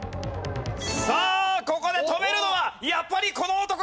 さあここで止めるのはやっぱりこの男か？